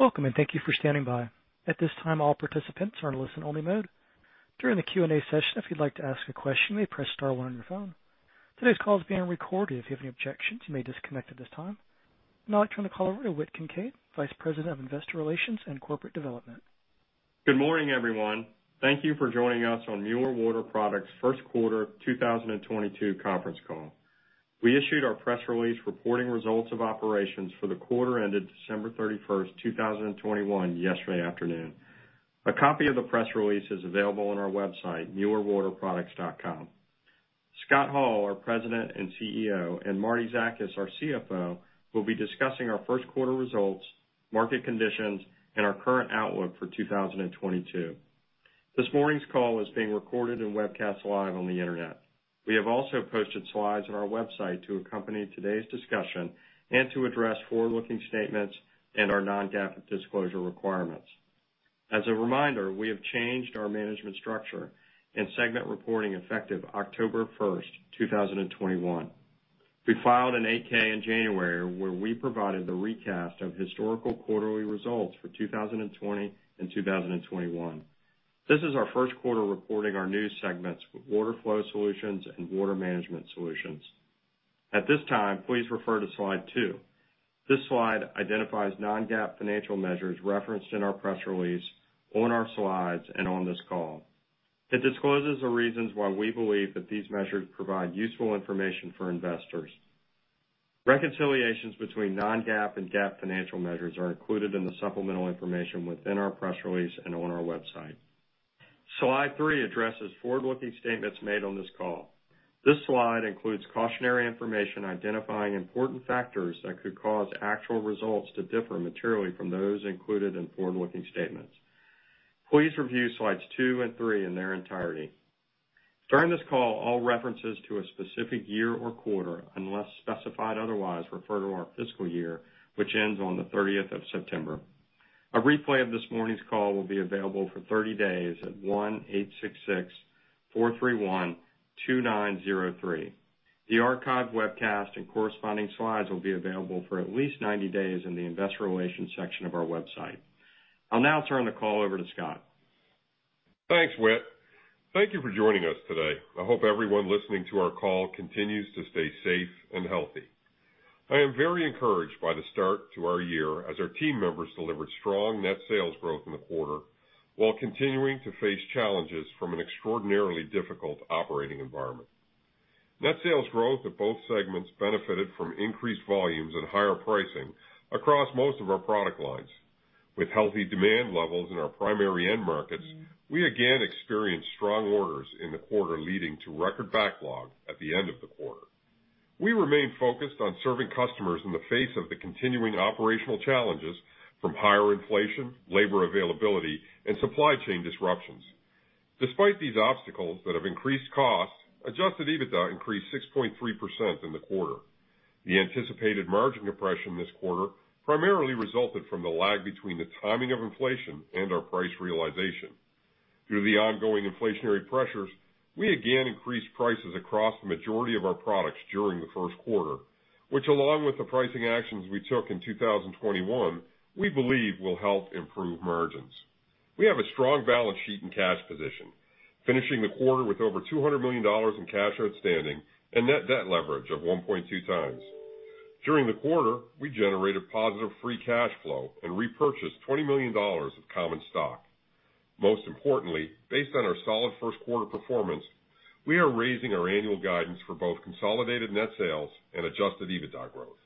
Welcome, and thank you for standing by. At this time, all participants are in listen-only mode. During the Q&A session, if you'd like to ask a question, you may press star one on your phone. Today's call is being recorded. If you have any objections, you may disconnect at this time. Now I turn the call over to Whit Kincaid, Vice President, Investor Relations and Corporate Development. Good morning, everyone. Thank you for joining us on Mueller Water Products' first quarter 2022 conference call. We issued our press release reporting results of operations for the quarter ended December 31st, 2021 yesterday afternoon. A copy of the press release is available on our website, muellerwaterproducts.com. Scott Hall, our President and CEO, and Martie Zakas, our CFO, will be discussing our first quarter results, market conditions, and our current outlook for 2022. This morning's call is being recorded and webcast live on the Internet. We have also posted slides on our website to accompany today's discussion and to address forward-looking statements and our non-GAAP disclosure requirements. As a reminder, we have changed our management structure and segment reporting effective October 1st, 2021. We filed an 8-K in January where we provided the recast of historical quarterly results for 2020 and 2021. This is our first quarter reporting our new segments with Water Flow Solutions and Water Management Solutions. At this time, please refer to slide two. This slide identifies non-GAAP financial measures referenced in our press release, on our slides, and on this call. It discloses the reasons why we believe that these measures provide useful information for investors. Reconciliations between non-GAAP and GAAP financial measures are included in the supplemental information within our press release and on our website. Slide three addresses forward-looking statements made on this call. This slide includes cautionary information identifying important factors that could cause actual results to differ materially from those included in forward-looking statements. Please review slides two and three in their entirety. During this call, all references to a specific year or quarter, unless specified otherwise, refer to our fiscal year, which ends on the 30th of September. A replay of this morning's call will be available for 30 days at 1-866-431-2903. The archived webcast and corresponding slides will be available for at least 90 days in the investor relations section of our website. I'll now turn the call over to Scott. Thanks, Whit. Thank you for joining us today. I hope everyone listening to our call continues to stay safe and healthy. I am very encouraged by the start to our year as our team members delivered strong net sales growth in the quarter while continuing to face challenges from an extraordinarily difficult operating environment. Net sales growth of both segments benefited from increased volumes and higher pricing across most of our product lines. With healthy demand levels in our primary end markets, we again experienced strong orders in the quarter, leading to record backlog at the end of the quarter. We remain focused on serving customers in the face of the continuing operational challenges from higher inflation, labor availability, and supply chain disruptions. Despite these obstacles that have increased costs, adjusted EBITDA increased 6.3% in the quarter. The anticipated margin depression this quarter primarily resulted from the lag between the timing of inflation and our price realization. Due to the ongoing inflationary pressures, we again increased prices across the majority of our products during the first quarter, which, along with the pricing actions we took in 2021, we believe will help improve margins. We have a strong balance sheet and cash position, finishing the quarter with over $200 million in cash outstanding and net debt leverage of 1.2x. During the quarter, we generated positive free cash flow and repurchased $20 million of common stock. Most importantly, based on our solid first quarter performance, we are raising our annual guidance for both consolidated net sales and adjusted EBITDA growth.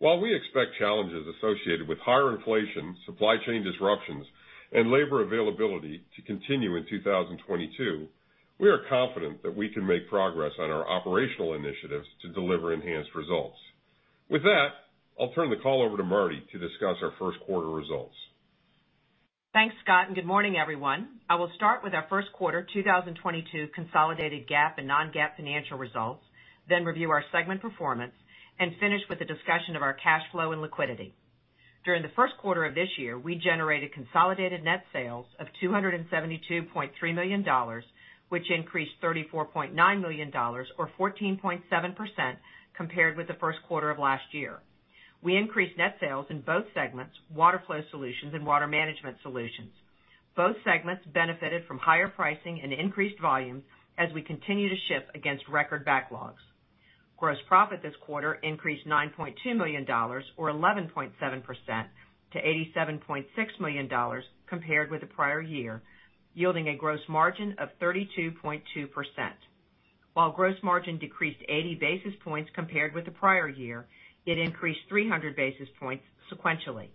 While we expect challenges associated with higher inflation, supply chain disruptions, and labor availability to continue in 2022, we are confident that we can make progress on our operational initiatives to deliver enhanced results. With that, I'll turn the call over to Martie to discuss our first quarter results. Thanks, Scott, and good morning, everyone. I will start with our first quarter 2022 consolidated GAAP and non-GAAP financial results, then review our segment performance and finish with a discussion of our cash flow and liquidity. During the first quarter of this year, we generated consolidated net sales of $272.3 million, which increased $34.9 million or 14.7% compared with the first quarter of last year. We increased net sales in both segments, Water Flow Solutions and Water Management Solutions. Both segments benefited from higher pricing and increased volumes as we continue to ship against record backlogs. Gross profit this quarter increased $9.2 million or 11.7% to $87.6 million compared with the prior year, yielding a gross margin of 32.2%. While gross margin decreased 80 basis points compared with the prior year, it increased 300 basis points sequentially.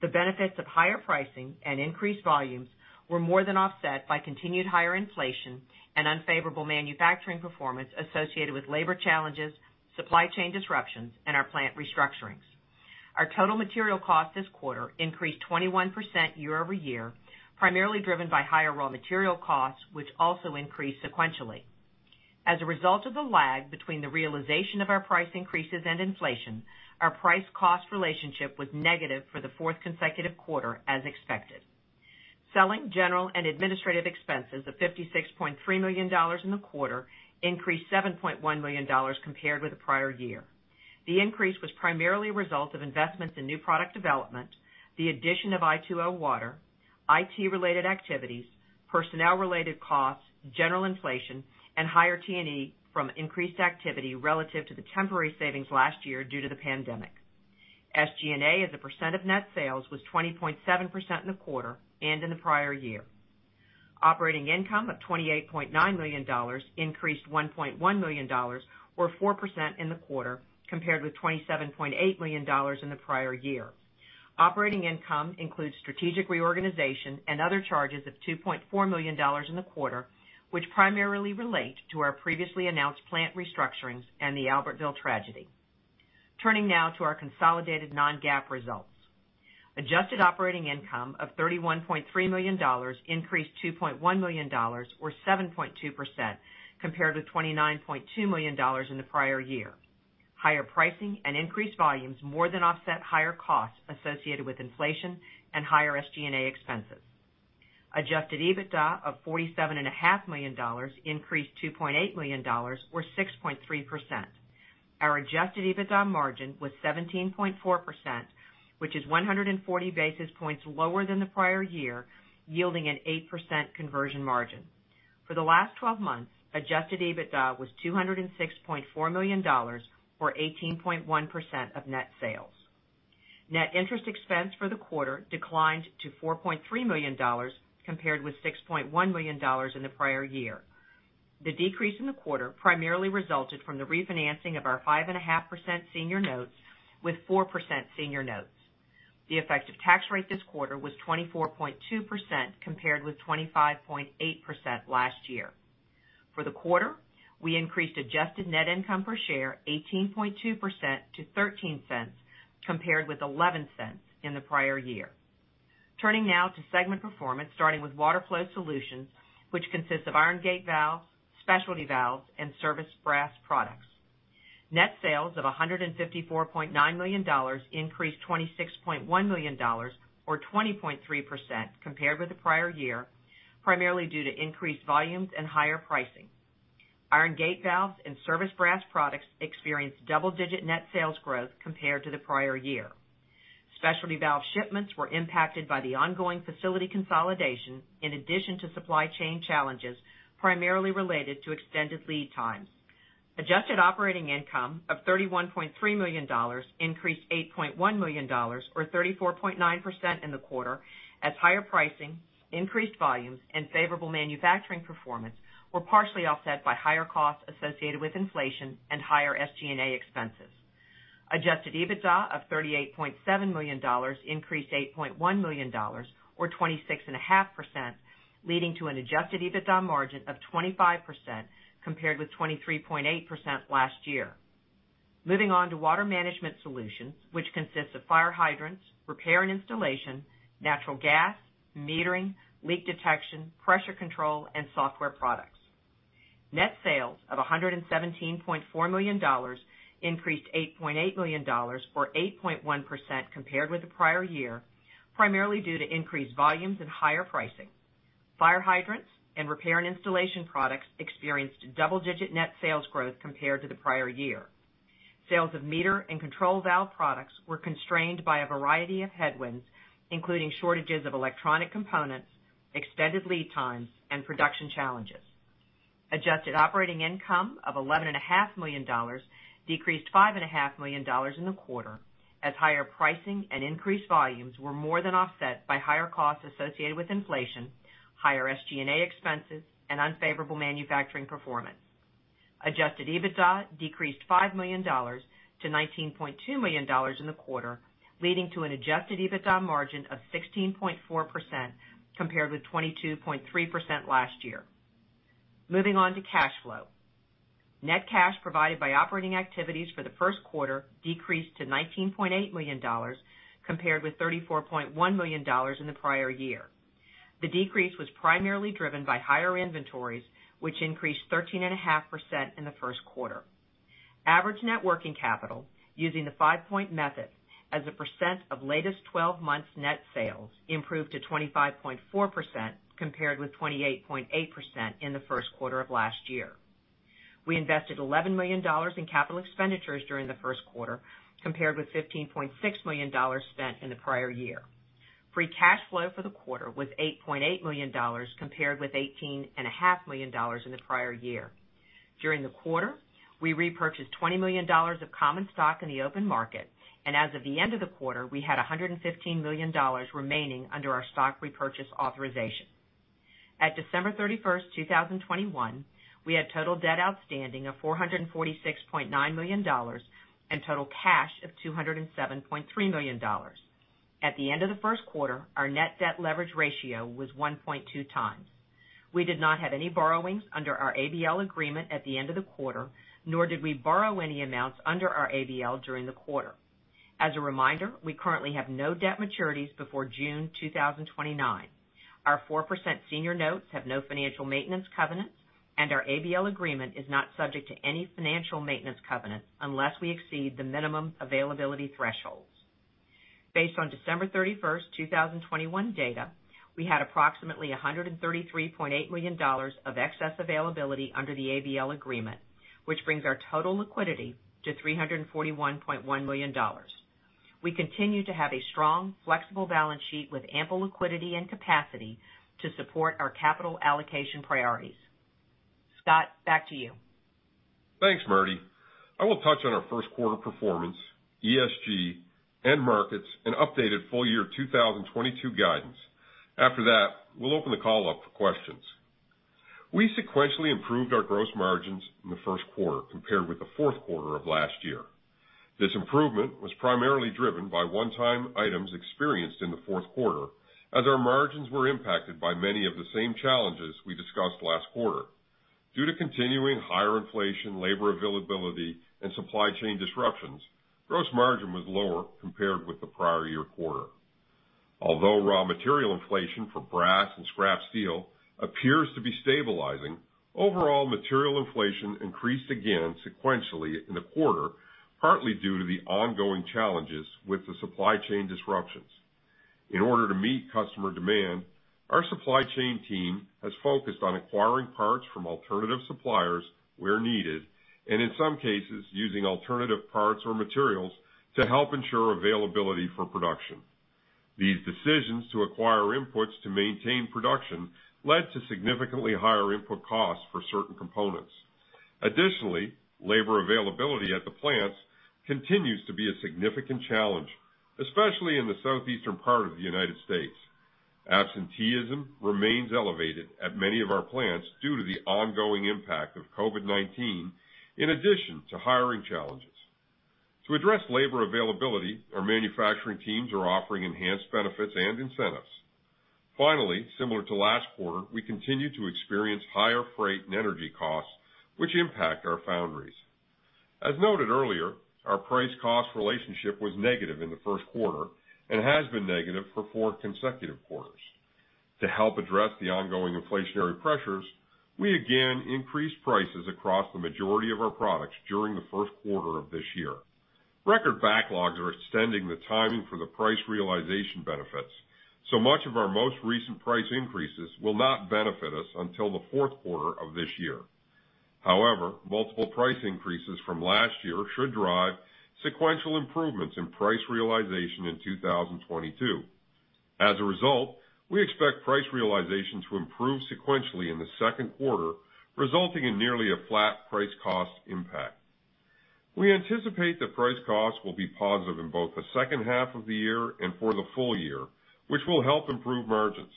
The benefits of higher pricing and increased volumes were more than offset by continued higher inflation and unfavorable manufacturing performance associated with labor challenges, supply chain disruptions, and our plant restructurings. Our total material cost this quarter increased 21% year over year, primarily driven by higher raw material costs, which also increased sequentially. As a result of the lag between the realization of our price increases and inflation, our price-cost relationship was negative for the fourth consecutive quarter, as expected. Selling, general, and administrative expenses of $56.3 million in the quarter increased $7.1 million compared with the prior year. The increase was primarily a result of investments in new product development, the addition of i2O Water, IT-related activities, personnel-related costs, general inflation, and higher T&E from increased activity relative to the temporary savings last year due to the pandemic. SG&A as a percent of net sales was 20.7% in the quarter and in the prior year. Operating income of $28.9 million increased $1.1 million or 4% in the quarter, compared with $27.8 million in the prior year. Operating income includes strategic reorganization and other charges of $2.4 million in the quarter, which primarily relate to our previously announced plant restructurings and the Albertville tragedy. Turning now to our consolidated non-GAAP results. Adjusted operating income of $31.3 million increased $2.1 million or 7.2% compared to $29.2 million in the prior year. Higher pricing and increased volumes more than offset higher costs associated with inflation and higher SG&A expenses. Adjusted EBITDA of $47.5 million increased $2.8 million or 6.3%. Our adjusted EBITDA margin was 17.4%, which is 140 basis points lower than the prior year, yielding an 8% conversion margin. For the last twelve months, adjusted EBITDA was $206.4 million or 18.1% of net sales. Net interest expense for the quarter declined to $4.3 million compared with $6.1 million in the prior year. The decrease in the quarter primarily resulted from the refinancing of our 5.5% senior notes with 4% senior notes. The effective tax rate this quarter was 24.2% compared with 25.8% last year. For the quarter, we increased adjusted net income per share 18.2% to $0.13 compared with $0.11 in the prior year. Turning now to segment performance, starting with Water Flow Solutions, which consists of iron gate valves, specialty valves and service brass products. Net sales of $154.9 million increased $26.1 million or 20.3% compared with the prior year, primarily due to increased volumes and higher pricing. Iron gate valves and service brass products experienced double-digit net sales growth compared to the prior year. Specialty valves shipments were impacted by the ongoing facility consolidation in addition to supply chain challenges primarily related to extended lead times. Adjusted operating income of $31.3 million increased $8.1 million or 34.9% in the quarter as higher pricing, increased volumes and favorable manufacturing performance were partially offset by higher costs associated with inflation and higher SG&A expenses. Adjusted EBITDA of $38.7 million increased $8.1 million or 26.5%, leading to an adjusted EBITDA margin of 25% compared with 23.8% last year. Moving on to Water Management Solutions, which consists of fire hydrants, repair and installation, natural gas, metering, leak detection, pressure control and software products. Net sales of $117.4 million increased $8.8 million or 8.1% compared with the prior year, primarily due to increased volumes and higher pricing. Fire hydrants and repair and installation products experienced double-digit net sales growth compared to the prior year. Sales of meter and control valve products were constrained by a variety of headwinds, including shortages of electronic components, extended lead times and production challenges. Adjusted operating income of $11.5 million decreased $5.5 million in the quarter as higher pricing and increased volumes were more than offset by higher costs associated with inflation, higher SG&A expenses, and unfavorable manufacturing performance. Adjusted EBITDA decreased $5 million to $19.2 million in the quarter, leading to an Adjusted EBITDA margin of 16.4% compared with 22.3% last year. Moving on to cash flow. Net cash provided by operating activities for the first quarter decreased to $19.8 million compared with $34.1 million in the prior year. The decrease was primarily driven by higher inventories, which increased 13.5% in the first quarter. Average net working capital using the five-point method as a percent of latest twelve months net sales improved to 25.4% compared with 28.8% in the first quarter of last year. We invested $11 million in capital expenditures during the first quarter compared with $15.6 million spent in the prior year. Free cash flow for the quarter was $8.8 million compared with $18.5 million in the prior year. During the quarter, we repurchased $20 million of common stock in the open market, and as of the end of the quarter, we had $115 million remaining under our stock repurchase authorization. At December 31st, 2021, we had total debt outstanding of $446.9 million and total cash of $207.3 million. At the end of the first quarter, our net debt leverage ratio was 1.2x. We did not have any borrowings under our ABL agreement at the end of the quarter, nor did we borrow any amounts under our ABL during the quarter. As a reminder, we currently have no debt maturities before June 2029. Our 4% senior notes have no financial maintenance covenants. Our ABL agreement is not subject to any financial maintenance covenants unless we exceed the minimum availability thresholds. Based on December 31st, 2021 data, we had approximately $133.8 million of excess availability under the ABL agreement, which brings our total liquidity to $341.1 million. We continue to have a strong, flexible balance sheet with ample liquidity and capacity to support our capital allocation priorities. Scott, back to you. Thanks, Martie. I will touch on our first quarter performance, ESG, end markets, and updated full year 2022 guidance. After that, we'll open the call up for questions. We sequentially improved our gross margins in the first quarter compared with the fourth quarter of last year. This improvement was primarily driven by one-time items experienced in the fourth quarter, as our margins were impacted by many of the same challenges we discussed last quarter. Due to continuing higher inflation, labor availability, and supply chain disruptions, gross margin was lower compared with the prior year quarter. Although raw material inflation for brass and scrap steel appears to be stabilizing, overall material inflation increased again sequentially in the quarter, partly due to the ongoing challenges with the supply chain disruptions. In order to meet customer demand, our supply chain team has focused on acquiring parts from alternative suppliers where needed, and in some cases, using alternative parts or materials to help ensure availability for production. These decisions to acquire inputs to maintain production led to significantly higher input costs for certain components. Additionally, labor availability at the plants continues to be a significant challenge, especially in the southeastern part of the United States. Absenteeism remains elevated at many of our plants due to the ongoing impact of COVID-19, in addition to hiring challenges. To address labor availability, our manufacturing teams are offering enhanced benefits and incentives. Finally, similar to last quarter, we continue to experience higher freight and energy costs, which impact our foundries. As noted earlier, our price-cost relationship was negative in the first quarter and has been negative for four consecutive quarters. To help address the ongoing inflationary pressures, we again increased prices across the majority of our products during the first quarter of this year. Record backlogs are extending the timing for the price realization benefits, so much of our most recent price increases will not benefit us until the fourth quarter of this year. However, multiple price increases from last year should drive sequential improvements in price realization in 2022. As a result, we expect price realization to improve sequentially in the second quarter, resulting in nearly a flat price-cost impact. We anticipate that price costs will be positive in both the second half of the year and for the full year, which will help improve margins.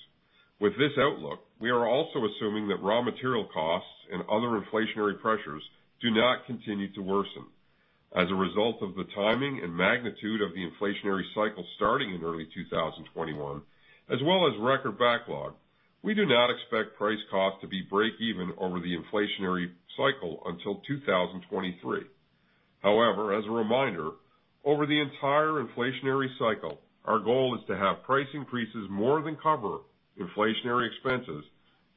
With this outlook, we are also assuming that raw material costs and other inflationary pressures do not continue to worsen. As a result of the timing and magnitude of the inflationary cycle starting in early 2021, as well as record backlog, we do not expect price cost to be break even over the inflationary cycle until 2023. However, as a reminder, over the entire inflationary cycle, our goal is to have price increases more than cover inflationary expenses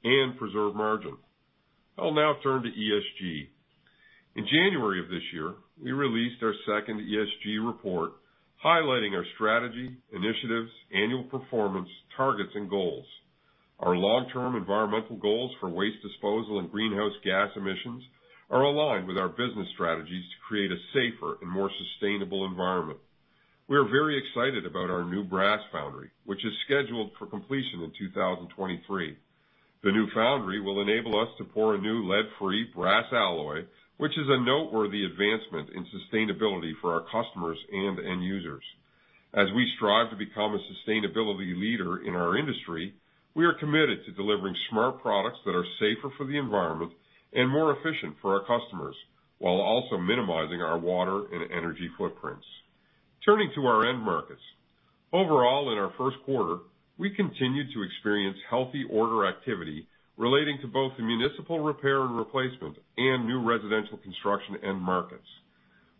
and preserve margin. I'll now turn to ESG. In January of this year, we released our second ESG report highlighting our strategy, initiatives, annual performance, targets, and goals. Our long-term environmental goals for waste disposal and greenhouse gas emissions are aligned with our business strategies to create a safer and more sustainable environment. We are very excited about our new brass foundry, which is scheduled for completion in 2023. The new foundry will enable us to pour a new lead-free brass alloy, which is a noteworthy advancement in sustainability for our customers and end users. As we strive to become a sustainability leader in our industry, we are committed to delivering smart products that are safer for the environment and more efficient for our customers, while also minimizing our water and energy footprints. Turning to our end markets. Overall, in our first quarter, we continued to experience healthy order activity relating to both the municipal repair and replacement and new residential construction end markets.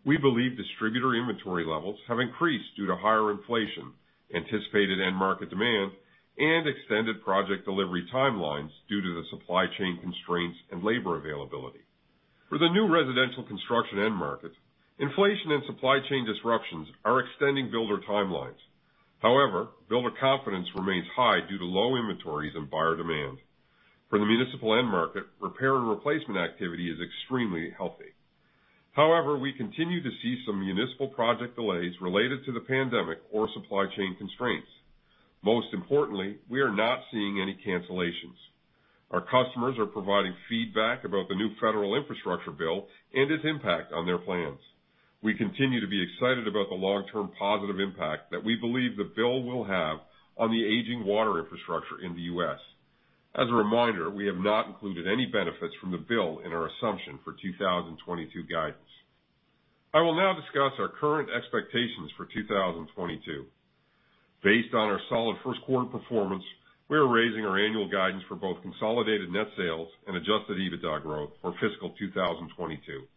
We believe distributor inventory levels have increased due to higher inflation, anticipated end market demand, and extended project delivery timelines due to the supply chain constraints and labor availability. For the new residential construction end markets, inflation and supply chain disruptions are extending builder timelines. However, builder confidence remains high due to low inventories and buyer demand. For the municipal end market, repair and replacement activity is extremely healthy. However, we continue to see some municipal project delays related to the pandemic or supply chain constraints. Most importantly, we are not seeing any cancellations. Our customers are providing feedback about the new federal infrastructure bill and its impact on their plans. We continue to be excited about the long-term positive impact that we believe the bill will have on the aging water infrastructure in the U.S. As a reminder, we have not included any benefits from the bill in our assumption for 2022 guidance. I will now discuss our current expectations for 2022. Based on our solid first quarter performance, we are raising our annual guidance for both consolidated net sales and adjusted EBITDA growth for fiscal 2022.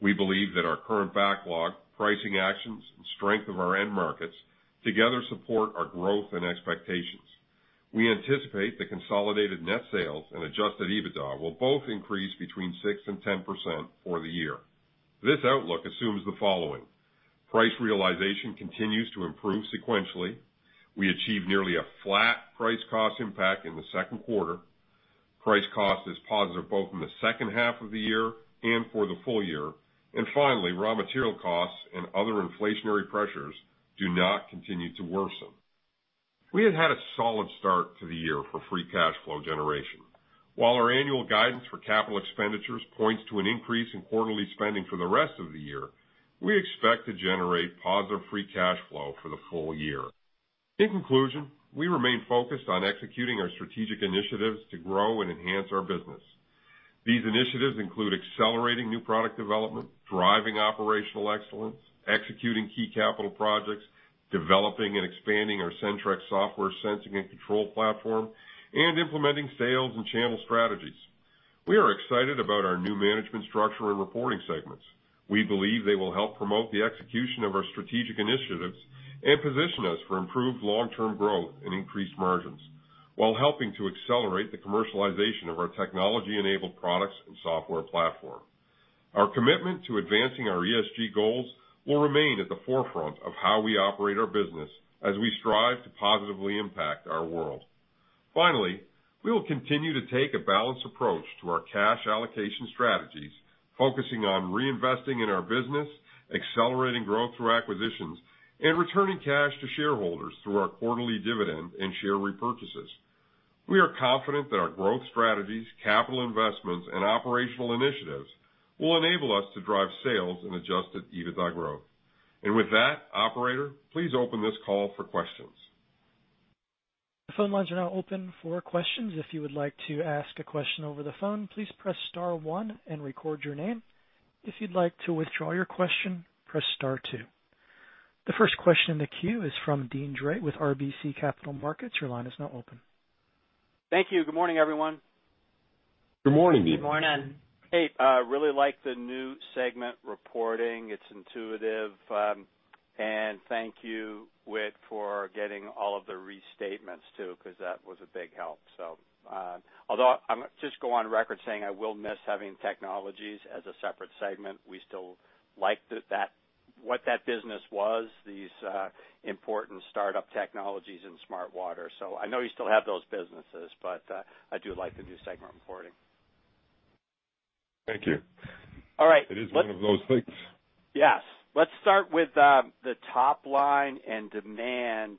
We believe that our current backlog, pricing actions, and strength of our end markets together support our growth and expectations. We anticipate the consolidated net sales and adjusted EBITDA will both increase between 6% and 10% for the year. This outlook assumes the following. Price realization continues to improve sequentially. We achieve nearly a flat price cost impact in the second quarter. Price cost is positive both in the second half of the year and for the full year. Finally, raw material costs and other inflationary pressures do not continue to worsen. We have had a solid start to the year for free cash flow generation. While our annual guidance for capital expenditures points to an increase in quarterly spending for the rest of the year, we expect to generate positive free cash flow for the full year. In conclusion, we remain focused on executing our strategic initiatives to grow and enhance our business. These initiatives include accelerating new product development, driving operational excellence, executing key capital projects, developing and expanding our Sentryx sensing and control platform, and implementing sales and channel strategies. We are excited about our new management structure and reporting segments. We believe they will help promote the execution of our strategic initiatives and position us for improved long-term growth and increased margins while helping to accelerate the commercialization of our technology-enabled products and software platform. Our commitment to advancing our ESG goals will remain at the forefront of how we operate our business as we strive to positively impact our world. Finally, we will continue to take a balanced approach to our cash allocation strategies, focusing on reinvesting in our business, accelerating growth through acquisitions, and returning cash to shareholders through our quarterly dividend and share repurchases. We are confident that our growth strategies, capital investments, and operational initiatives will enable us to drive sales and adjusted EBITDA growth. With that, operator, please open this call for questions. The phone lines are now open for questions. If you would like to ask a question over the phone, "please press star one" and record your name. If you'd like to withdraw your question, "press star two". The first question in the queue is from Deane Dray with RBC Capital Markets. Your line is now open. Thank you. Good morning, everyone. Good morning. Good morning. I really like the new segment reporting. It's intuitive. Thank you, Whit, for getting all of the restatements too, 'cause that was a big help. Although I'm just going on record saying I will miss having technologies as a separate segment. We still like that what that business was, these important startup technologies in Smart Water. I know you still have those businesses, but I do like the new segment reporting. Thank you. All right. It is one of those things. Yes. Let's start with the top line and demand,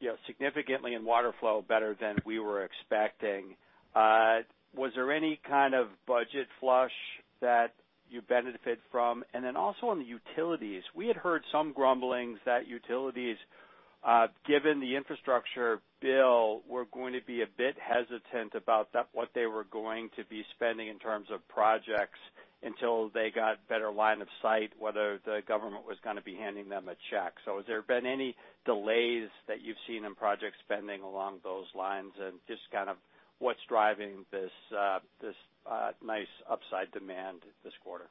you know, significantly in Water Flow better than we were expecting. Was there any kind of budget flush that you benefit from? Then also on the utilities, we had heard some grumblings that utilities, given the infrastructure bill, were going to be a bit hesitant about that, what they were going to be spending in terms of projects until they got better line of sight, whether the government was gonna be handing them a check. Has there been any delays that you've seen in project spending along those lines? Just kind of what's driving this nice upside demand this quarter?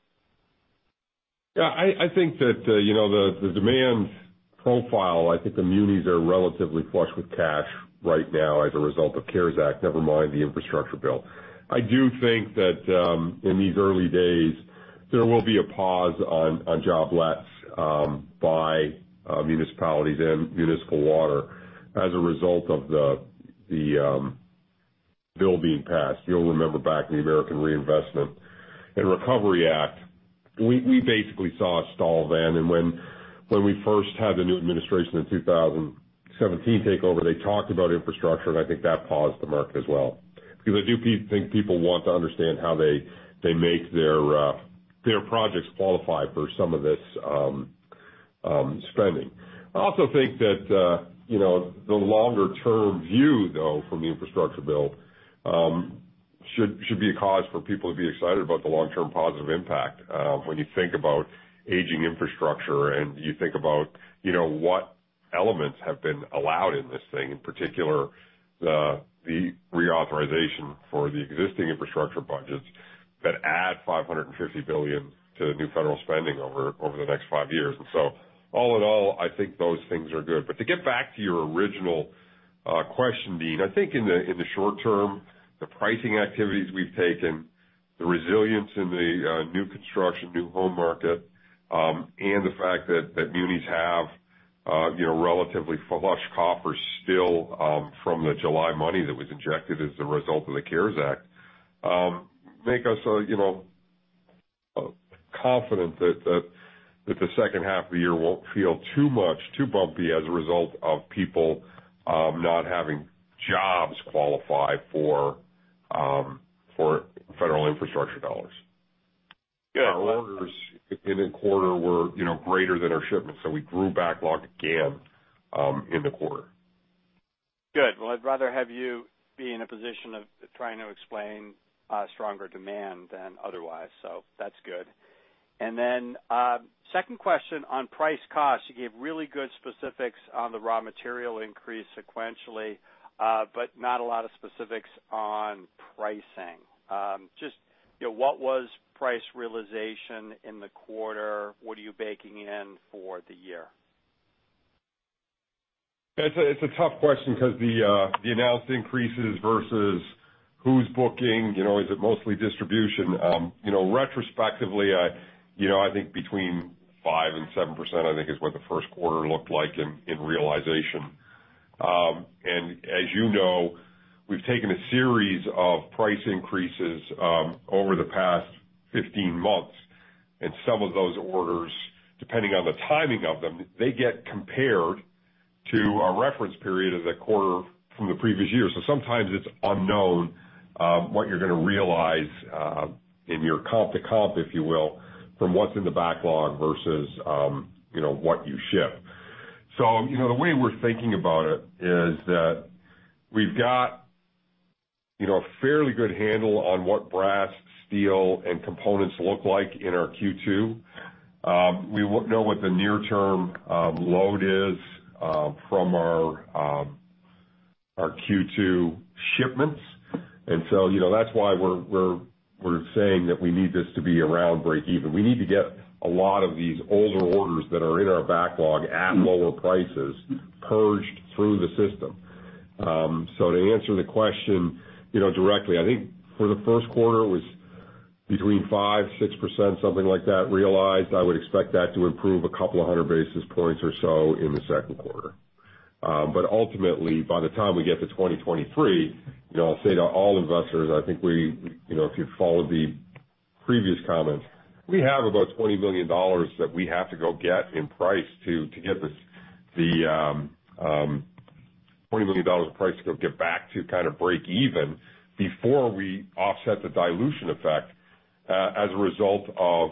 I think that the demand profile, I think the munis are relatively flush with cash right now as a result of CARES Act, never mind the infrastructure bill. I do think that in these early days, there will be a pause on job lets by municipalities and municipal water as a result of the bill being passed. You'll remember back in the American Recovery and Reinvestment Act, we basically saw a stall then. When we first had the new administration in 2017 take over, they talked about infrastructure, and I think that paused the market as well. Because I do think people want to understand how they make their projects qualify for some of this spending. I also think that, you know, the longer-term view, though, from the infrastructure bill, should be a cause for people to be excited about the long-term positive impact, when you think about aging infrastructure and you think about, you know, what elements have been allowed in this thing, in particular, the reauthorization for the existing infrastructure budgets that add $550 billion to the new federal spending over the next five years. All in all, I think those things are good. To get back to your original question, Deane, I think in the short term, the pricing activities we've taken, the resilience in the new construction, new home market, and the fact that munis have you know relatively flush copper still from the July money that was injected as a result of the CARES Act make us you know confident that the second half of the year won't feel too bumpy as a result of people not having jobs qualify for for federal infrastructure dollars. Our orders in the quarter were you know greater than our shipments, so we grew backlog again in the quarter. Good. Well, I'd rather have you be in a position of trying to explain stronger demand than otherwise. That's good. Then, second question on price cost. You gave really good specifics on the raw material increase sequentially, but not a lot of specifics on pricing. Just, you know, what was price realization in the quarter? What are you baking in for the year? It's a tough question because the announced increases versus who's booking, you know, is it mostly distribution? You know, retrospectively, I think between 5%-7% is what the first quarter looked like in realization. As you know, we've taken a series of price increases over the past 15 months, and some of those orders, depending on the timing of them, they get compared to our reference period as a quarter from the previous year. Sometimes it's unknown what you're gonna realize in your comp to comp, if you will, from what's in the backlog versus, you know, what you ship. You know, the way we're thinking about it is that we've got a fairly good handle on what brass, steel, and components look like in our Q2. We won't know what the near-term load is from our Q2 shipments. You know, that's why we're saying that we need this to be around breakeven. We need to get a lot of these older orders that are in our backlog at lower prices purged through the system. So to answer the question, you know, directly, I think for the first quarter, it was between 5%-6%, something like that realized. I would expect that to improve a couple of hundred basis points or so in the second quarter. Ultimately, by the time we get to 2023, you know, I'll say to all investors, I think we, you know, if you followed the previous comments, we have about $20 million that we have to go get in price to get the $20 million of price to go get back to kind of breakeven before we offset the dilution effect as a result of,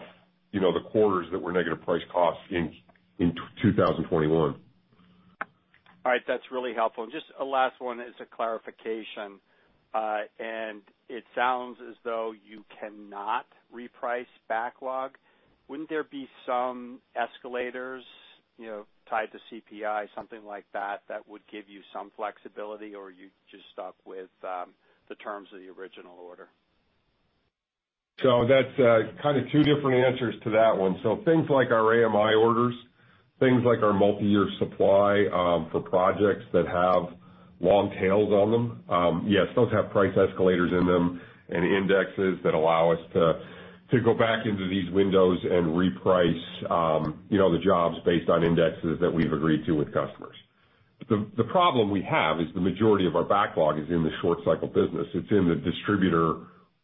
you know, the quarters that were negative price costs in 2021. All right. That's really helpful. Just a last one as a clarification. It sounds as though you cannot reprice backlog. Wouldn't there be some escalators, you know, tied to CPI, something like that would give you some flexibility, or you're just stuck with the terms of the original order? That's kind of two different answers to that one. Things like our AMI orders, things like our multi-year supply for projects that have long tails on them, yes, those have price escalators in them and indexes that allow us to go back into these windows and reprice, you know, the jobs based on indexes that we've agreed to with customers. But the problem we have is the majority of our backlog is in the short cycle business. It's in the distributor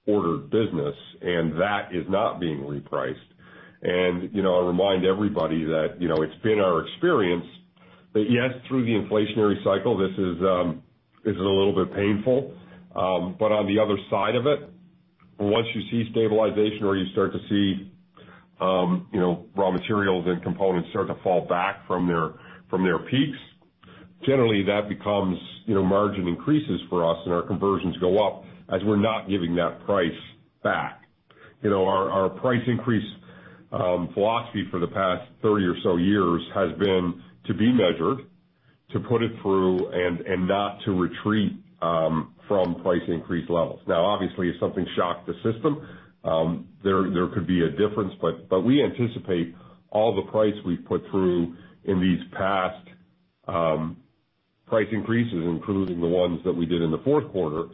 ordered business, and that is not being repriced. You know, I remind everybody that you know, it's been our experience that yes, through the inflationary cycle, this is a little bit painful. On the other side of it, once you see stabilization or you start to see, you know, raw materials and components start to fall back from their peaks, generally that becomes, you know, margin increases for us and our conversions go up as we're not giving that price back. You know, our price increase philosophy for the past 30 or so years has been to be measured, to put it through and not to retreat from price increase levels. Now, obviously, if something shocked the system, there could be a difference, but we anticipate all the price we've put through in these past price increases, including the ones that we did in the fourth quarter,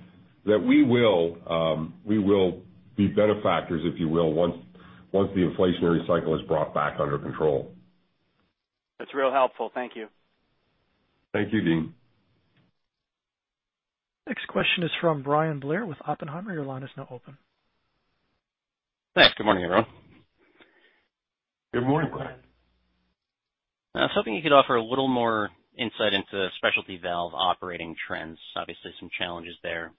that we will be benefactors, if you will, once the inflationary cycle is brought back under control. That's real helpful. Thank you. Thank you, Deane. Next question is from Bryan Blair with Oppenheimer. Your line is now open. Thanks. Good morning, everyone. Good morning, Bryan. I was hoping you could offer a little more insight into specialty valve operating trends. Obviously, some challenges there,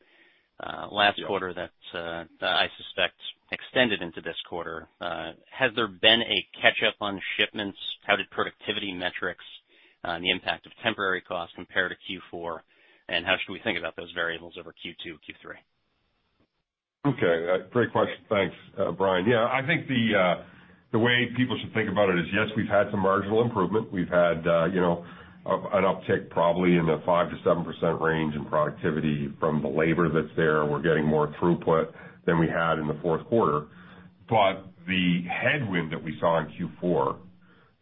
last quarter that I suspect extended into this quarter. Has there been a catch-up on shipments? How did productivity metrics, and the impact of temporary costs compare to Q4? How should we think about those variables over Q2, Q3? Okay. Great question. Thanks, Brian. Yeah, I think the way people should think about it is, yes, we've had some marginal improvement. We've had, you know, an uptick probably in the 5%-7% range in productivity from the labor that's there. We're getting more throughput than we had in the fourth quarter. The headwind that we saw in Q4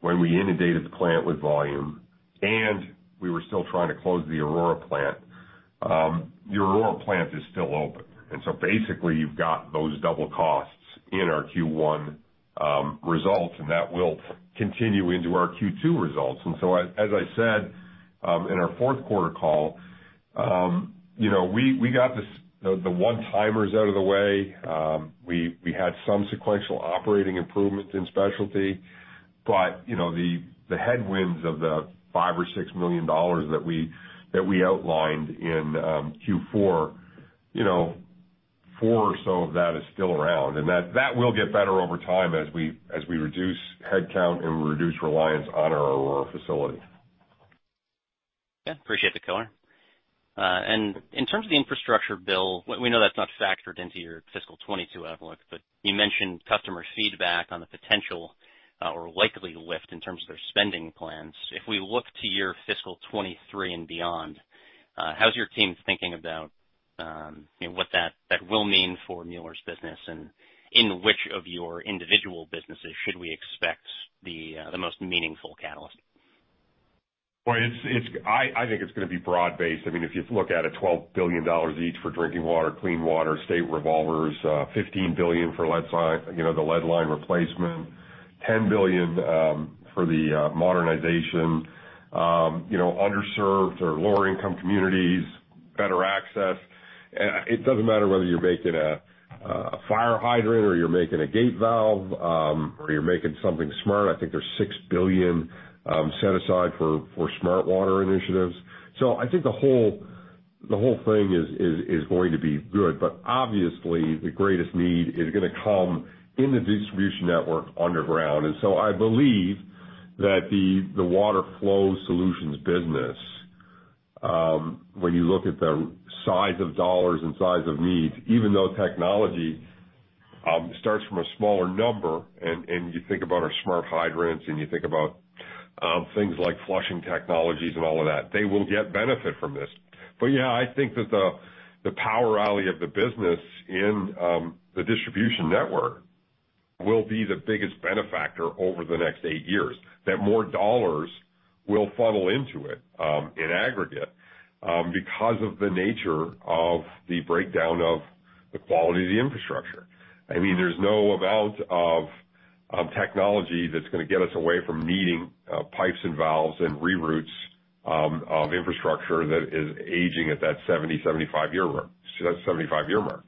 when we inundated the plant with volume and we were still trying to close the Aurora plant, the Aurora plant is still open. Basically, you've got those double costs in our Q1 results, and that will continue into our Q2 results. As I said in our fourth quarter call, you know, we got this the one-timers out of the way. We had some sequential operating improvements in specialty, but you know, the headwinds of the $5 million-$6 million that we outlined in Q4, you know, four or so of that is still around. That will get better over time as we reduce headcount and reduce reliance on our Aurora facility. Appreciate the color. In terms of the infrastructure bill, we know that's not factored into your fiscal 2022 outlook, but you mentioned customer feedback on the potential or likely lift in terms of their spending plans. If we look to your fiscal 2023 and beyond, how's your team thinking about and what that will mean for Mueller's business and in which of your individual businesses should we expect the most meaningful catalyst? I think it's gonna be broad-based. I mean, if you look at it, $12 billion each for drinking water, clean water, state revolving, $15 billion for lead service line, you know, the lead line replacement, $10 billion for the modernization, you know, underserved or lower-income communities, better access. It doesn't matter whether you're making a fire hydrant or you're making a gate valve, or you're making something smart. I think there's $6 billion set aside for smart water initiatives. I think the whole thing is going to be good. Obviously, the greatest need is gonna come in the distribution network underground. I believe that the Water Flow Solutions business, when you look at the size of dollars and size of need, even though technology starts from a smaller number, and you think about our smart hydrants and you think about things like flushing technologies and all of that, they will yet benefit from this. But yeah, I think that the Water Flow, really, of the business in the distribution network will be the biggest benefactor over the next 8 years, that more dollars will funnel into it, in aggregate, because of the nature of the breakdown of the quality of the infrastructure. I mean, there's no amount of technology that's gonna get us away from needing pipes and valves and reroutes of infrastructure that is aging at that 75-year mark.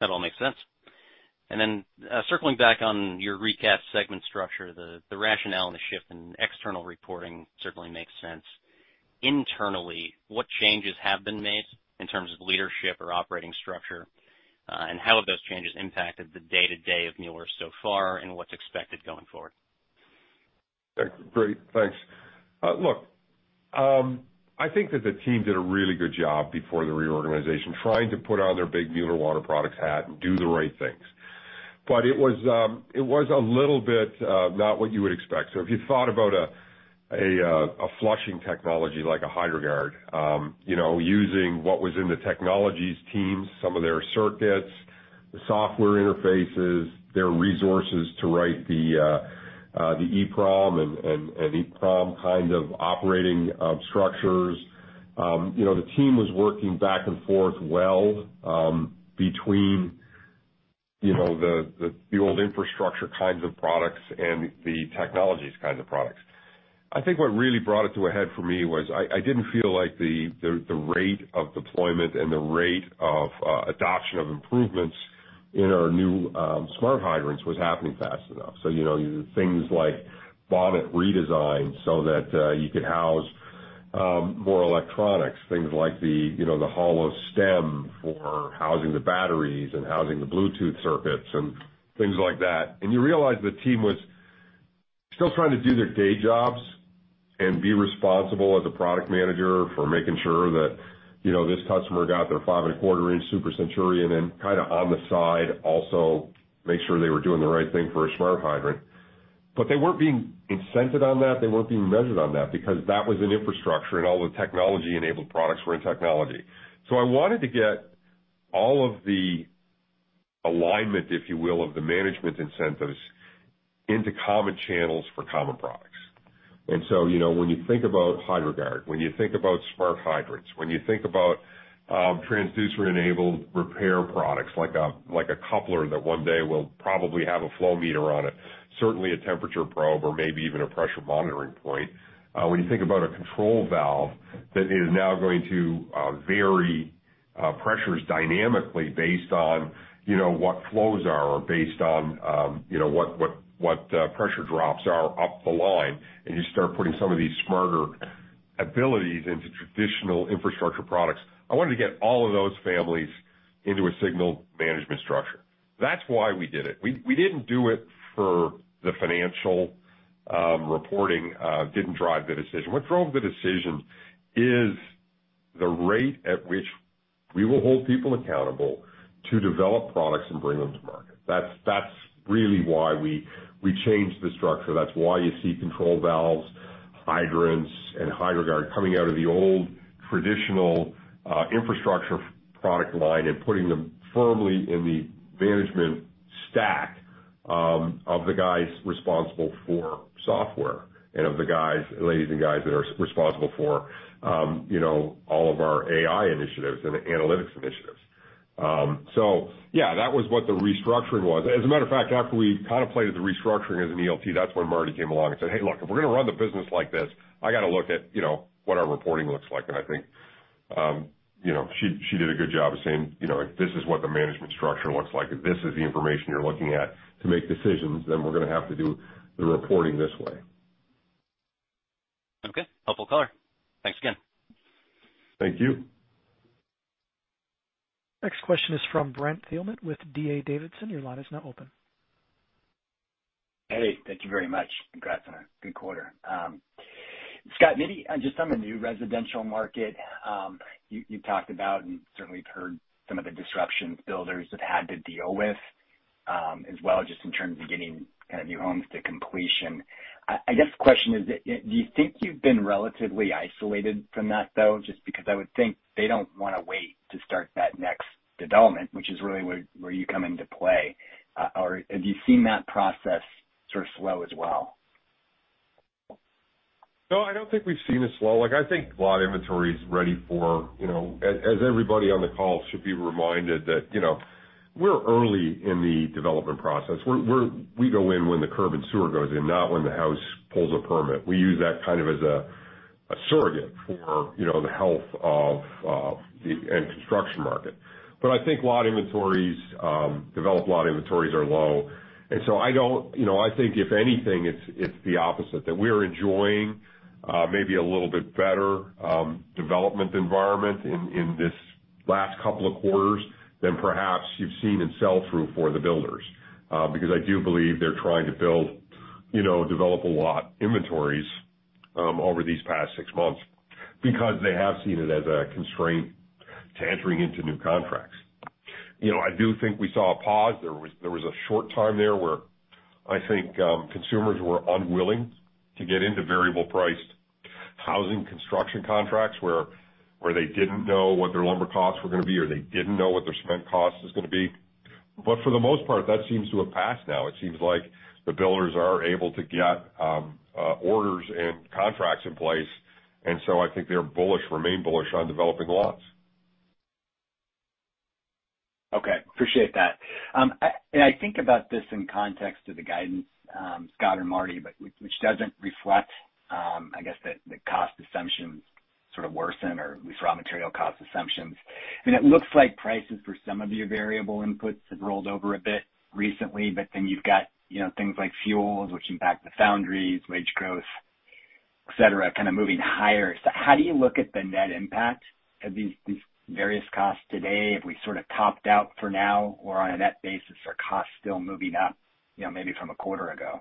That all makes sense. Circling back on your recast segment structure, the rationale and the shift in external reporting certainly makes sense. Internally, what changes have been made in terms of leadership or operating structure, and how have those changes impacted the day-to-day of Mueller so far, and what's expected going forward? Great. Thanks. I think that the team did a really good job before the reorganization, trying to put on their big Mueller Water Products hat and do the right things. It was a little bit not what you would expect. If you thought about a flushing technology like a Hydro-Guard, you know, using what was in the technologies teams, some of their circuits, the software interfaces, their resources to write the EEPROM and EEPROM kind of operating structures. You know, the team was working back and forth well between the old infrastructure kinds of products and the technologies kinds of products. I think what really brought it to a head for me was I didn't feel like the rate of deployment and the rate of adoption of improvements in our new smart hydrants was happening fast enough. You know, things like bonnet redesign so that you could house more electronics, things like the hollow stem for housing the batteries and housing the Bluetooth circuits and things like that. You realize the team was still trying to do their day jobs and be responsible as a product manager for making sure that you know, this customer got their 5.25-inch Super Centurion, and kind of on the side also make sure they were doing the right thing for a smart hydrant. They weren't being incented on that. They weren't being measured on that because that was an infrastructure, and all the technology-enabled products were in technology. I wanted to get all of the alignment, if you will, of the management incentives into common channels for common products. You know, when you think about Hydro-Guard, when you think about smart hydrants, when you think about transducer-enabled repair products like a coupler that one day will probably have a flow meter on it, certainly a temperature probe or maybe even a pressure monitoring point. When you think about a control valve that is now going to vary pressures dynamically based on what flows are or based on what pressure drops are up the line, and you start putting some of these smarter abilities into traditional infrastructure products. I wanted to get all of those families into a single management structure. That's why we did it. We didn't do it for the financial reporting. It didn't drive the decision. What drove the decision is the rate at which we will hold people accountable to develop products and bring them to market. That's really why we changed the structure. That's why you see control valves, hydrants, and Hydro-Guard coming out of the old traditional infrastructure product line and putting them firmly in the management stack of the guys responsible for software and of the guys, ladies and guys that are responsible for you know, all of our AI initiatives and analytics initiatives. Yeah, that was what the restructuring was. As a matter of fact, after we contemplated the restructuring as an ELT, that's when Martie came along and said, "Hey, look, if we're gonna run the business like this, I gotta look at, you know, what our reporting looks like." I think, you know, she did a good job of saying, you know, if this is what the management structure looks like and this is the information you're looking at to make decisions, then we're gonna have to do the reporting this way. Okay. Helpful color. Thanks again. Thank you. Next question is from Brent Thielman with D.A. Davidson. Your line is now open. Hey, thank you very much. Congrats on a good quarter. Scott, maybe just on the new residential market, you talked about and certainly heard some of the disruptions builders have had to deal with. As well, just in terms of getting kind of new homes to completion. I guess the question is that, do you think you've been relatively isolated from that, though? Just because I would think they don't wanna wait to start that next development, which is really where you come into play. Or have you seen that process sort of slow as well? No, I don't think we've seen it slow. Like, I think lot inventory is ready for, you know, everybody on the call should be reminded that, you know, we're early in the development process. We go in when the curb and sewer goes in, not when the house pulls a permit. We use that kind of as a surrogate for, you know, the health of the end construction market. But I think lot inventories, developed lot inventories are low. I don't, you know, I think if anything, it's the opposite, that we're enjoying maybe a little bit better development environment in this last couple of quarters than perhaps you've seen in sell through for the builders. Because I do believe they're trying to build, you know, develop a lot inventories over these past six months because they have seen it as a constraint to entering into new contracts. You know, I do think we saw a pause. There was a short time there where I think consumers were unwilling to get into variable priced housing construction contracts where they didn't know what their lumber costs were gonna be, or they didn't know what their cement cost is gonna be. But for the most part, that seems to have passed now. It seems like the builders are able to get orders and contracts in place, and so I think they're bullish, remain bullish on developing lots. Okay. Appreciate that. I think about this in context of the guidance, Scott and Martie, but which doesn't reflect, I guess, the cost assumptions sort of worsen or the raw material cost assumptions. I mean, it looks like prices for some of your variable inputs have rolled over a bit recently, but then you've got, you know, things like fuels, which impact the foundries, wage growth, et cetera, kind of moving higher. How do you look at the net impact of these various costs today? Have we sort of topped out for now? Or on a net basis, are costs still moving up, you know, maybe from a quarter ago?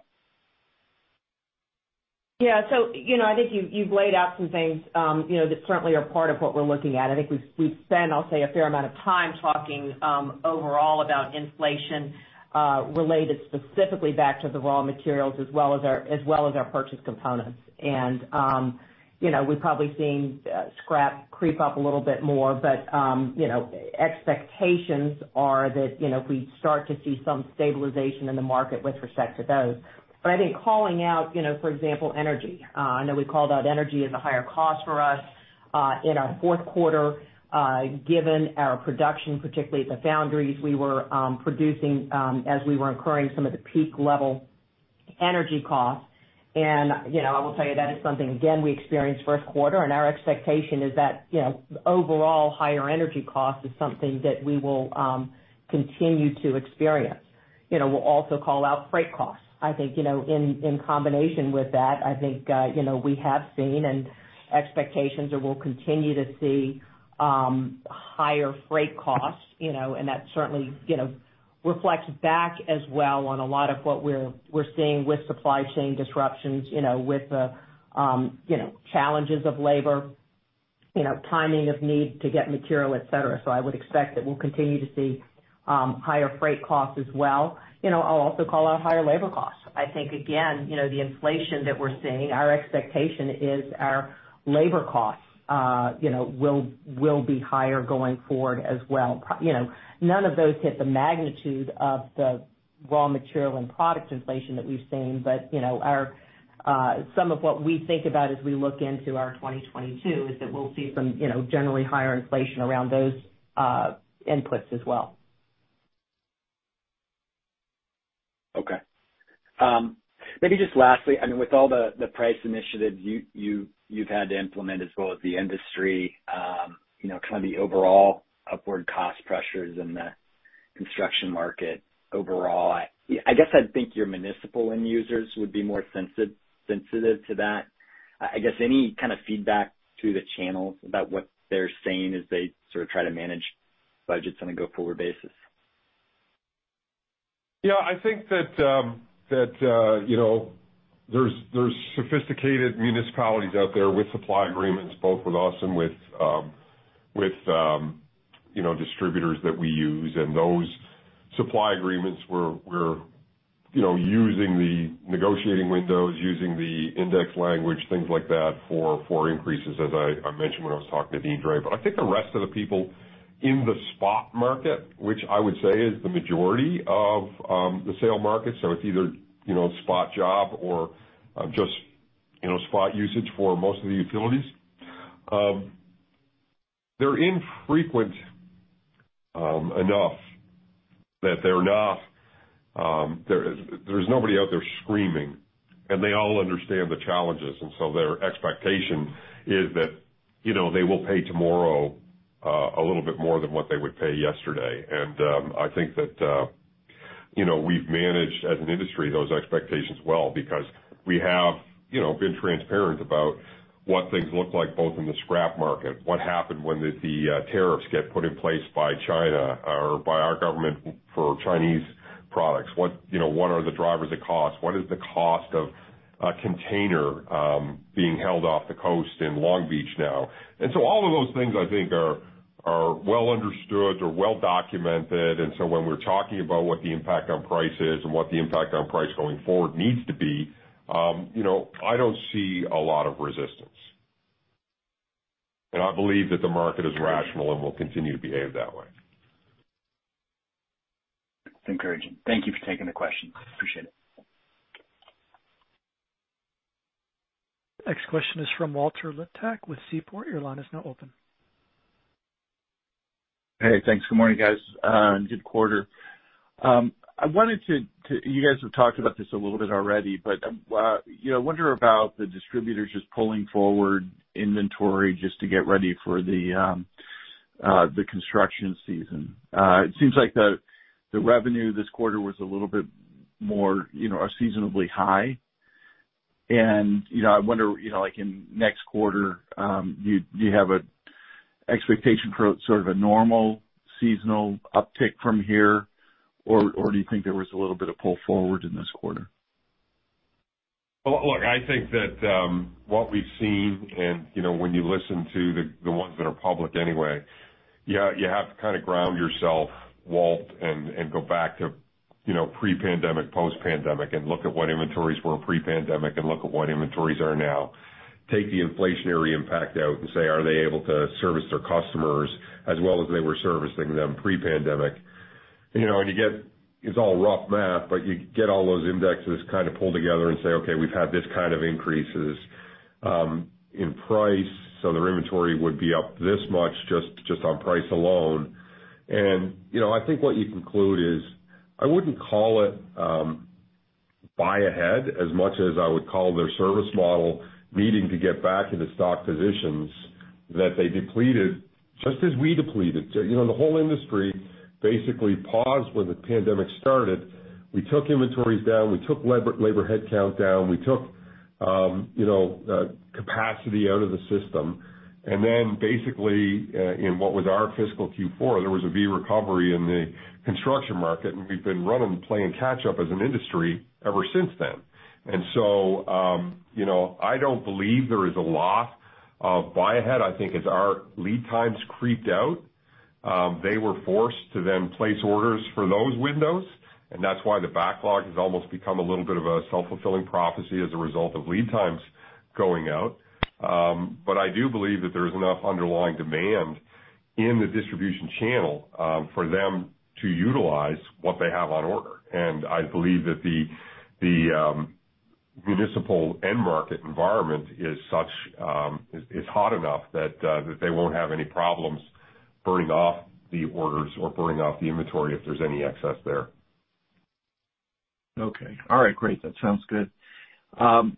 You know, I think you've laid out some things, you know, that certainly are part of what we're looking at. I think we've spent, I'll say, a fair amount of time talking overall about inflation related specifically back to the raw materials as well as our purchase components. You know, we've probably seen scrap creep up a little bit more, but you know, expectations are that we start to see some stabilization in the market with respect to those. I think calling out, you know, for example, energy. I know we called out energy as a higher cost for us in our fourth quarter given our production, particularly at the foundries we were producing as we were incurring some of the peak level energy costs. You know, I will tell you that is something, again, we experienced first quarter, and our expectation is that, you know, overall higher energy cost is something that we will continue to experience. You know, we'll also call out freight costs. I think, you know, in combination with that, I think, you know, we have seen and expectations are we'll continue to see higher freight costs, you know, and that certainly, you know, reflects back as well on a lot of what we're seeing with supply chain disruptions, you know, with the, you know, challenges of labor, you know, timing of need to get material, et cetera. I would expect that we'll continue to see higher freight costs as well. You know, I'll also call out higher labor costs. I think, again, you know, the inflation that we're seeing, our expectation is our labor costs, you know, will be higher going forward as well. You know, none of those hit the magnitude of the raw material and product inflation that we've seen, but, you know, our, some of what we think about as we look into our 2022 is that we'll see some, you know, generally higher inflation around those, inputs as well. Okay. Maybe just lastly, I mean, with all the price initiatives you've had to implement as well as the industry, you know, kind of the overall upward cost pressures in the construction market overall, I guess I'd think your municipal end users would be more sensitive to that. I guess any kind of feedback through the channels about what they're saying as they sort of try to manage budgets on a go-forward basis? I think that you know, there's sophisticated municipalities out there with supply agreements, both with us and with you know, distributors that we use. Those supply agreements, we're you know, using the negotiating windows, using the index language, things like that for increases, as I mentioned when I was talking to Deane Dray. I think the rest of the people in the spot market, which I would say is the majority of the sales market, so it's either you know, spot job or just you know, spot usage for most of the utilities. They're infrequent enough that there's nobody out there screaming, and they all understand the challenges. Their expectation is that, you know, they will pay tomorrow a little bit more than what they would pay yesterday. I think that, you know, we've managed as an industry those expectations well because we have, you know, been transparent about what things look like both in the scrap market, what happened when the tariffs get put in place by China or by our government for Chinese products. What, you know, what are the drivers of cost? What is the cost of a container being held off the coast in Long Beach now? All of those things I think are well understood or well documented. When we're talking about what the impact on price is and what the impact on price going forward needs to be, you know, I don't see a lot of resistance. I believe that the market is rational and will continue to behave that way. That's encouraging. Thank you for taking the question. Appreciate it. Next question is from Walt Liptak with Seaport. Your line is now open. Hey, thanks. Good morning, guys. Good quarter. You guys have talked about this a little bit already, but you know, I wonder about the distributors just pulling forward inventory just to get ready for the construction season. It seems like the revenue this quarter was a little bit more, you know, unseasonably high. You know, I wonder, you know, like in next quarter, do you have an expectation for sort of a normal seasonal uptick from here? Or do you think there was a little bit of pull forward in this quarter? Well, look, I think that what we've seen and, you know, when you listen to the ones that are public anyway, yeah, you have to kind of ground yourself, Walt, and go back to, you know, pre-pandemic, post-pandemic and look at what inventories were pre-pandemic and look at what inventories are now. Take the inflationary impact out and say, are they able to service their customers as well as they were servicing them pre-pandemic? You know, you get it's all rough math, but you get all those indexes kind of pulled together and say, okay, we've had this kind of increases in price, so their inventory would be up this much just on price alone. You know, I think what you conclude is, I wouldn't call it buy ahead as much as I would call their service model needing to get back into stock positions that they depleted just as we depleted. You know, the whole industry basically paused when the pandemic started. We took inventories down, we took labor headcount down. We took capacity out of the system. Basically, in what was our fiscal Q4, there was a V recovery in the construction market, and we've been running, playing catch up as an industry ever since then. You know, I don't believe there is a lot of buy ahead. I think as our lead times crept out, they were forced to then place orders for those windows, and that's why the backlog has almost become a little bit of a self-fulfilling prophecy as a result of lead times going out. I do believe that there's enough underlying demand in the distribution channel for them to utilize what they have on order. I believe that the municipal end market environment is hot enough that they won't have any problems burning off the orders or burning off the inventory if there's any excess there. Okay. All right. Great. That sounds good. You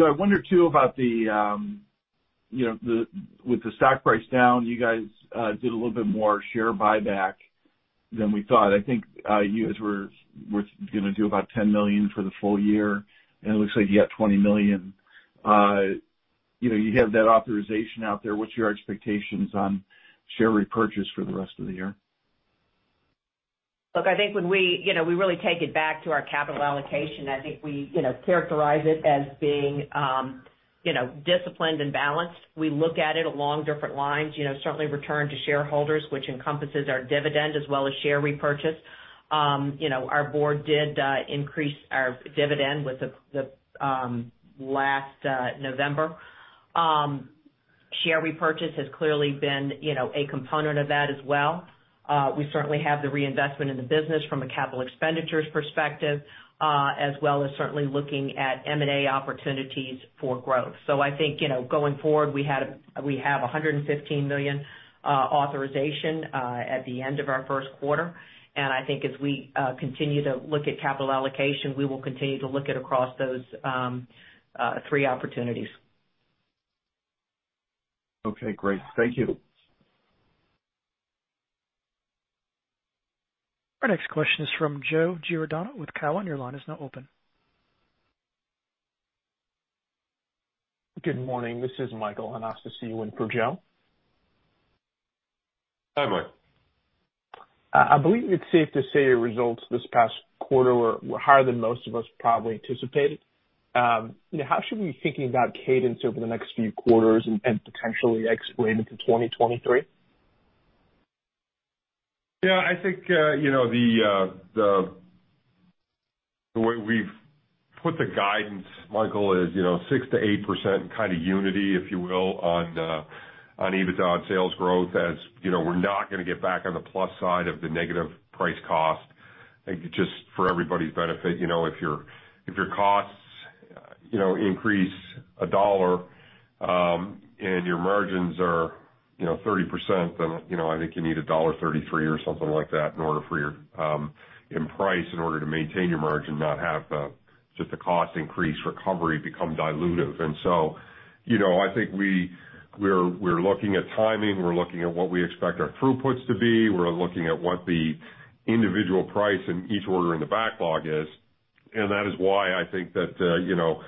know, I wonder too about with the stock price down, you guys did a little bit more share buyback than we thought. I think, you guys were gonna do about $10 million for the full year, and it looks like you got $20 million. You know, you have that authorization out there. What's your expectations on share repurchase for the rest of the year? Look, I think when we really take it back to our capital allocation. I think we characterize it as being, you know, disciplined and balanced. We look at it along different lines. You know, certainly return to shareholders, which encompasses our dividend as well as share repurchase. Our board did increase our dividend with the last November. Share repurchase has clearly been, you know, a component of that as well. We certainly have the reinvestment in the business from a capital expenditures perspective, as well as certainly looking at M&A opportunities for growth. I think, you know, going forward, we have a $115 million authorization at the end of our first quarter. I think as we continue to look at capital allocation, we will continue to look at it across those three opportunities. Okay, great. Thank you. Our next question is from Joe Giordano with Cowen. Your line is now open. Good morning. This is Michael Anastasiou in for Joe. Hi, Mike. I believe it's safe to say your results this past quarter were higher than most of us probably anticipated. You know, how should we be thinking about cadence over the next few quarters and potentially into 2023? Yeah, I think you know the way we've put the guidance, Michael, is you know 6%-8% kind of unity, if you will, on the EBITDA and sales growth. As you know, we're not gonna get back on the plus side of the negative price cost. I think just for everybody's benefit, you know, if your costs increase $1 and your margins are 30%, then you know I think you need $1.33 or something like that increase in price in order to maintain your margin, not have just the cost increase recovery become dilutive. You know, I think we're looking at timing. We're looking at what we expect our throughputs to be. We're looking at what the individual price in each order in the backlog is. That is why I think that, you know,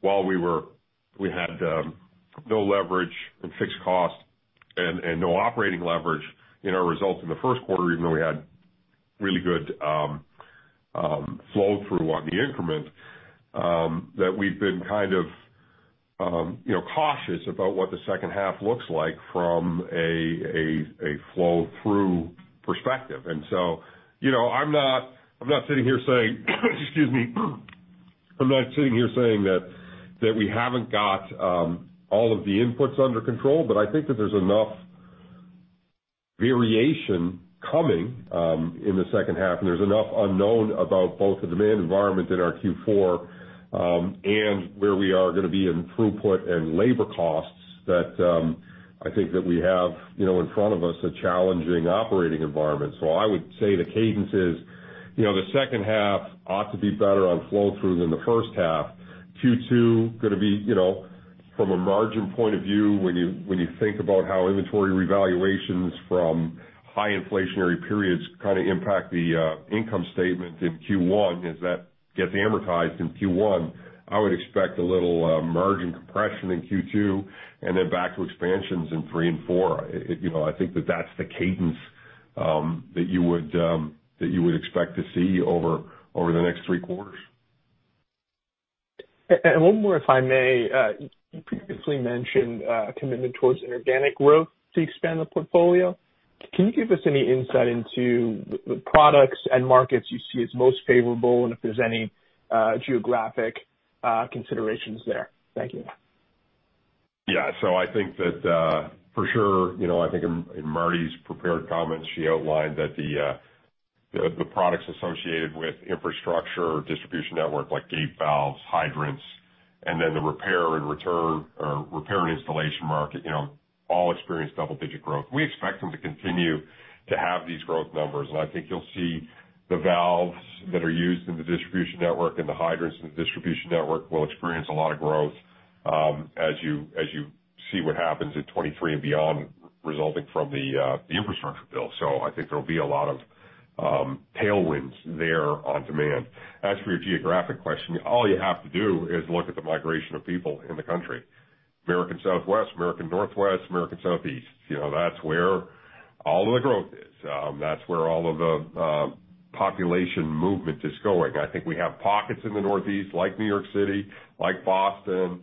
while we had no leverage and fixed cost and no operating leverage in our results in the first quarter, even though we had really good flow through on the increment, that we've been kind of, you know, cautious about what the second half looks like from a flow through perspective. You know, I'm not sitting here saying that we haven't got all of the inputs under control, but I think that there's enough variation coming in the second half, and there's enough unknown about both the demand environment in our Q4, and where we are gonna be in throughput and labor costs, that I think that we have, you know, in front of us, a challenging operating environment. I would say the cadence is, you know, the second half ought to be better on flow-through than the first half. Q2 gonna be, you know, from a margin point of view, when you think about how inventory revaluations from high inflationary periods kinda impact the income statement in Q1, as that gets amortized in Q1, I would expect a little margin compression in Q2, and then back to expansions in three and four. You know, I think that's the cadence that you would expect to see over the next three quarters. One more, if I may. You previously mentioned a commitment towards inorganic growth to expand the portfolio. Can you give us any insight into the products and markets you see as most favorable and if there's any geographic considerations there? Thank you. I think that, for sure, you know, I think in Martie's prepared comments, she outlined that the products associated with infrastructure distribution network, like gate valves, hydrants, and then the repair and installation market, you know, all experienced double-digit growth. We expect them to continue to have these growth numbers. I think you'll see the valves that are used in the distribution network and the hydrants in the distribution network will experience a lot of growth, as you see what happens in 2023 and beyond resulting from the infrastructure bill. I think there'll be a lot of tailwinds there on demand. As for your geographic question, all you have to do is look at the migration of people in the country. American Southwest, American Northwest, American Southeast, you know, that's where all of the growth is. That's where all of the population movement is going. I think we have pockets in the Northeast, like New York City, like Boston,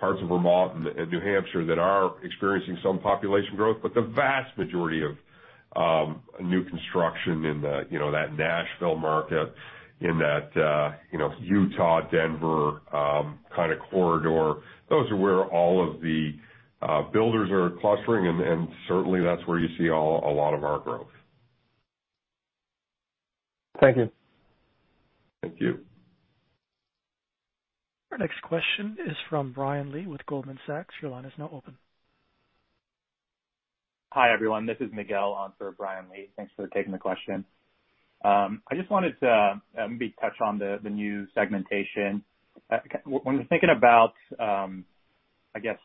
parts of Vermont and New Hampshire that are experiencing some population growth. But the vast majority of new construction in the you know that Nashville market, in that you know Utah, Denver kind of corridor, those are where all of the builders are clustering, and certainly that's where you see a lot of our growth. Thank you. Thank you. Our next question is from Brian Lee with Goldman Sachs. Your line is now open. Hi, everyone. This is Miguel on for Brian Lee. Thanks for taking the question. I just wanted to maybe touch on the new segmentation. When we're thinking about I guess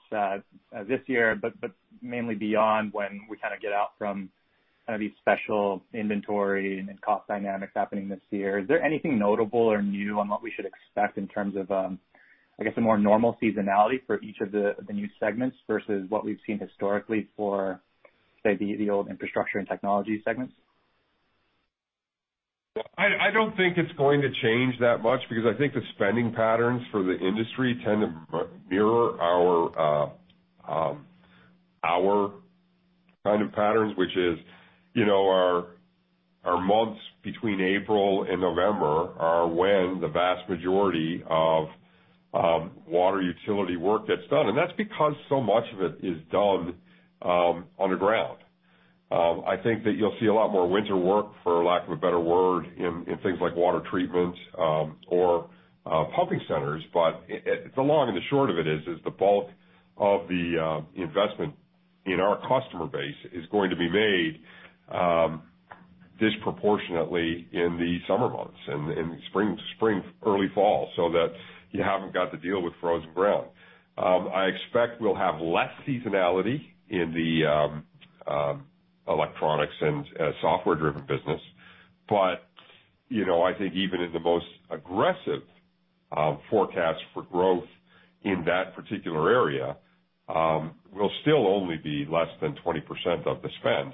this year, but mainly beyond when we kinda get out from these special inventory and cost dynamics happening this year, is there anything notable or new on what we should expect in terms of I guess a more normal seasonality for each of the new segments versus what we've seen historically for, say, the old Infrastructure and Technologies segments? I don't think it's going to change that much because I think the spending patterns for the industry tend to mirror our kind of patterns, which is, you know, our months between April and November are when the vast majority of water utility work gets done, and that's because so much of it is done on the ground. I think that you'll see a lot more winter work, for lack of a better word, in things like water treatment or pumping centers. The long and the short of it is the bulk of the investment in our customer base is going to be made disproportionately in the summer months, in spring, early fall, so that you haven't got to deal with frozen ground. I expect we'll have less seasonality in the electronics and software-driven business. You know, I think even in the most aggressive forecast for growth in that particular area will still only be less than 20% of the spend